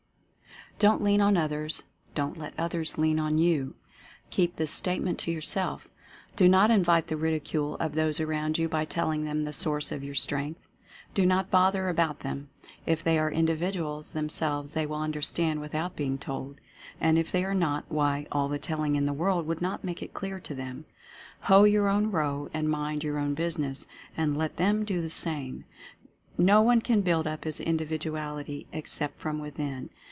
don't lean on others — don't let others lean ON YOU. Keep this Statement to yourself. Do not invite the 1 86 Mental Fascination ridicule of those around you by telling them the Source of your Strength. Do not bother about them — if they are Individuals themselves they will under stand without being told ; and if they are not, why, all the telling in the world would not make it clear to them. Hoe your own row and mind your own busi ness — and let them do the same. No one can build up his Individuality except from Within.